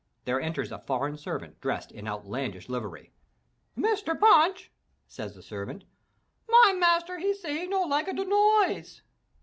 There enters a foreign servant dressed in outlandish livery. "Mr. Punch," says the servant, "my master he say he no lika de noise."